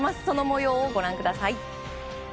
その模様をご覧ください。